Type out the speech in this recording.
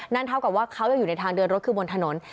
เท่ากับว่าเขายังอยู่ในทางเดินรถคือบนถนน